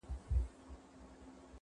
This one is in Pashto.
ته پر ګرځه د باران حاجت یې نسته.